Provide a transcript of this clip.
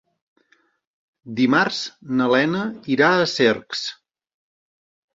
Dimarts na Lena irà a Cercs.